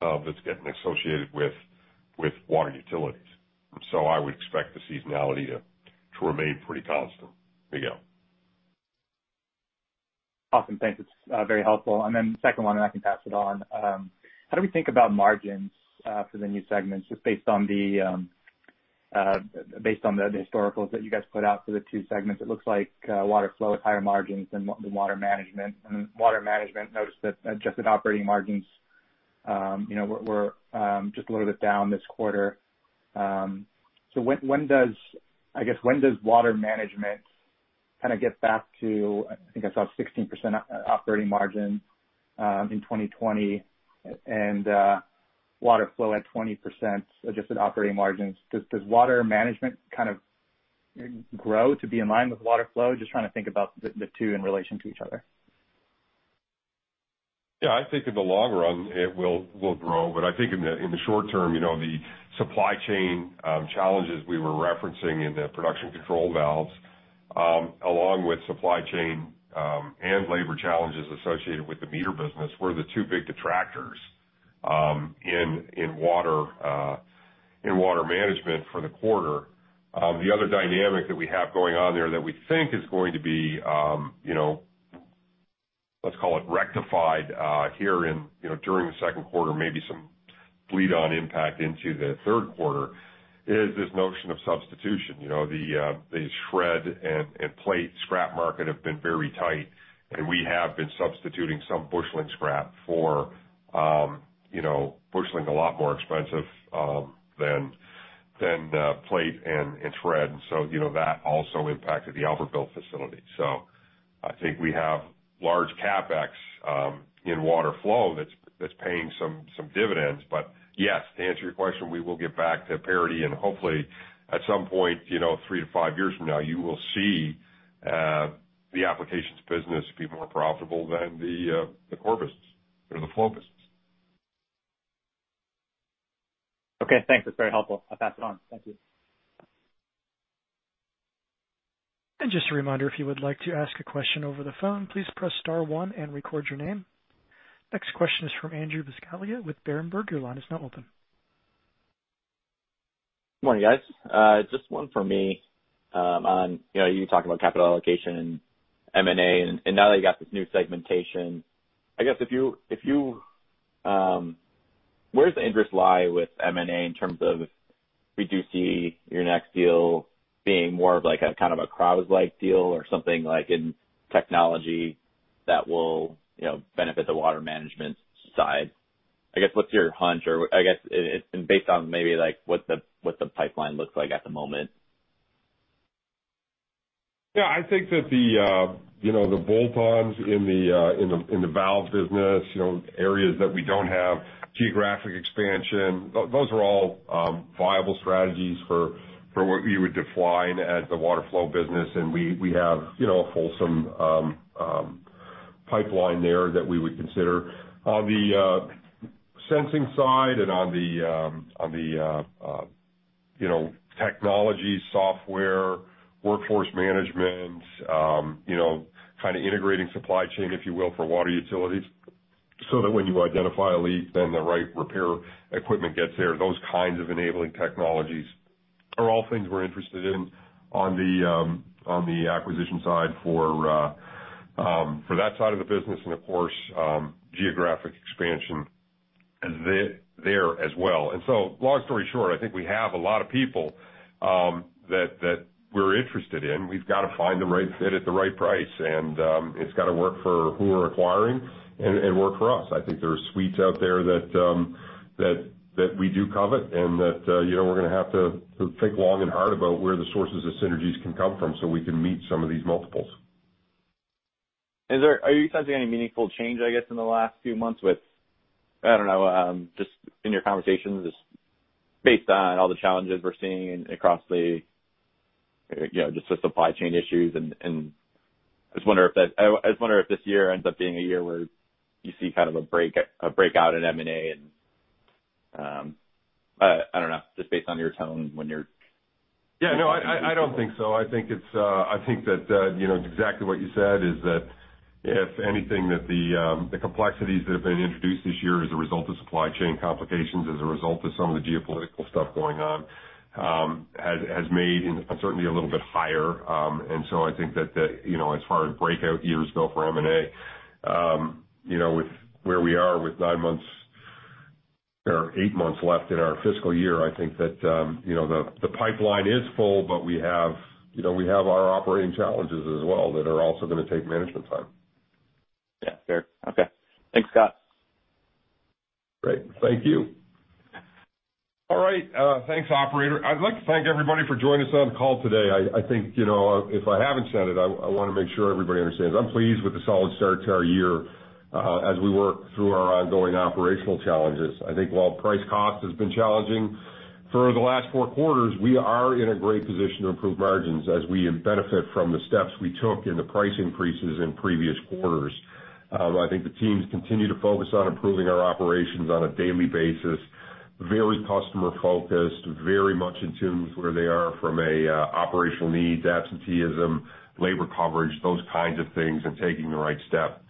that's getting associated with water utilities. I would expect the seasonality to remain pretty constant. Miguel. Awesome. Thanks. It's very helpful. Then second one, and I can pass it on. How do we think about margins for the new segments, just based on the historicals that you guys put out for the two segments? It looks like Water Flow at higher margins than Water Management. Water Management, I noticed that adjusted operating margins, you know, were just a little bit down this quarter. So when does Water Management get back to, I think I saw 16% operating margin in 2020 and Water Flow at 20% adjusted operating margins. Does Water Management kind of grow to be in line with Water Flow? Just trying to think about the two in relation to each other. Yeah. I think in the long run it will grow, but I think in the short term, you know, the supply chain challenges we were referencing in the pressure control valves, along with supply chain and labor challenges associated with the meter business were the two big detractors in Water Management Solutions for the quarter. The other dynamic that we have going on there that we think is going to be, you know, let's call it rectified here in, you know, during the second quarter, maybe some fleeting impact into the third quarter is this notion of substitution. You know, the shred and plate scrap markets have been very tight, and we have been substituting some busheling scrap, busheling a lot more expensive than plate and shred. You know, that also impacted the Albertville facility. I think we have large CapEx in Water Flow that's paying some dividends. But yes, to answer your question, we will get back to parity and hopefully at some point, you know, three-five years from now, you will see the applications business be more profitable than the Corvus or the Focus. Okay, thanks. That's very helpful. I'll pass it on. Thank you. Just a reminder, if you would like to ask a question over the phone, "please press star one" and record your name. Next question is from Andrew Buscaglia with Berenberg. Your line is now open. Morning, guys. Just one for me, on, you know, you talk about capital allocation and M&A, and now that you got this new segmentation. I guess if you where does the interest lie with M&A in terms of would you see your next deal being more of like a kind of a Krausz like deal or something like in technology that will, you know, benefit the water management side? I guess, what's your hunch or I guess it's been based on maybe like what the pipeline looks like at the moment. Yeah, I think that the, you know, the bolt-ons in the valve business, you know, areas that we don't have geographic expansion, those are all viable strategies for what you would define as the Water Flow business. We have, you know, a fulsome pipeline there that we would consider. On the sensing side and on the technology, software, workforce management, you know, kind of integrating supply chain, if you will, for water utilities, so that when you identify a leak, then the right repair equipment gets there. Those kinds of enabling technologies are all things we're interested in on the acquisition side for that side of the business and of course, geographic expansion there as well. Long story short, I think we have a lot of people that we're interested in. We've got to find the right fit at the right price, and it's got to work for who we're acquiring and work for us. I think there are suites out there that we do covet and that, you know, we're gonna have to think long and hard about where the sources of synergies can come from so we can meet some of these multiples. Are you sensing any meaningful change, I guess, in the last few months with, I don't know, just in your conversations based on all the challenges we're seeing across the, you know, just the supply chain issues. I was wondering if this year ends up being a year where you see kind of a break, a breakout in M&A and, I don't know, just based on your tone when you're Yeah, no, I don't think so. I think that you know, exactly what you said is that if anything, the complexities that have been introduced this year as a result of supply chain complications, as a result of some of the geopolitical stuff going on, has made uncertainty a little bit higher. I think that you know, as far as breakout years go for M&A, you know, with where we are with nine months or eight months left in our fiscal year, I think that you know, the pipeline is full, but we have you know, we have our operating challenges as well that are also gonna take management time. Yeah. Fair. Okay. Thanks, Scott. Great. Thank you. All right, thanks, operator. I'd like to thank everybody for joining us on the call today. I think, you know, if I haven't said it, I wanna make sure everybody understands. I'm pleased with the solid start to our year, as we work through our ongoing operational challenges. I think while price cost has been challenging for the last four quarters, we are in a great position to improve margins as we benefit from the steps we took in the price increases in previous quarters. I think the teams continue to focus on improving our operations on a daily basis, very customer-focused, very much in tune with where they are from a, operational needs, absenteeism, labor coverage, those kinds of things, and taking the right step.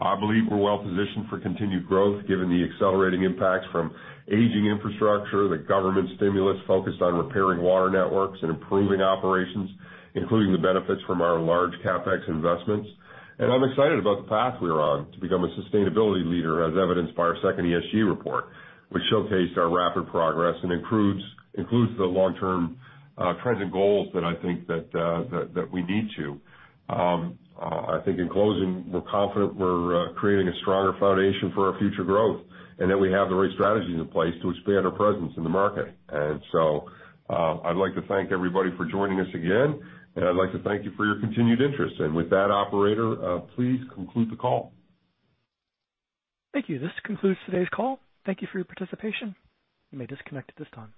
I believe we're well positioned for continued growth given the accelerating impacts from aging infrastructure, the government stimulus focused on repairing water networks and improving operations, including the benefits from our large CapEx investments. I'm excited about the path we're on to become a sustainability leader, as evidenced by our second ESG report, which showcased our rapid progress and includes the long-term trends and goals that I think we need to. I think in closing, we're confident we're creating a stronger foundation for our future growth and that we have the right strategies in place to expand our presence in the market. I'd like to thank everybody for joining us again, and I'd like to thank you for your continued interest. With that, operator, please conclude the call. Thank you. This concludes today's call. Thank you for your participation. You may disconnect at this time.